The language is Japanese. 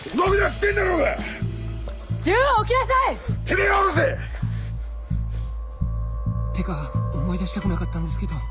てめぇが下ろせ！ってか思い出したくなかったんですけど